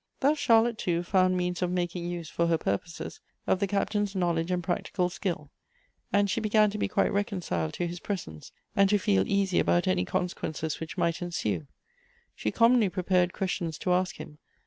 Thus Charlotte, too, found means of making use, for her purposes, of the Captain's knowledge and practical skill ; and she began to be quite reconciled to his presence, and to feel easy about any consequences which might ensue. She commonly prepared questions to ask him